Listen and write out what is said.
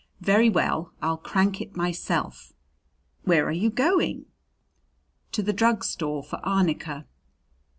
"Very well, I'll crank it myself." "Where are you going?" "To the drug store for arnica."